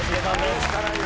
取るしかないよ